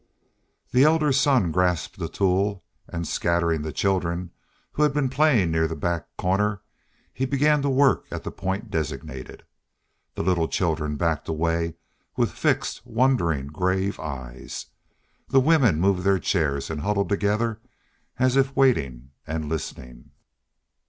The elder son grasped a tool and, scattering the children, who had been playing near the back corner, he began to work at the point designated. The little children backed away with fixed, wondering, grave eyes. The women moved their chairs, and huddled together as if waiting and listening.